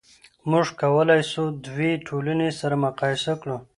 موږ کولای سو دوې ټولنې سره مقایسه کړو.